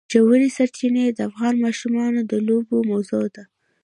ژورې سرچینې د افغان ماشومانو د لوبو موضوع ده.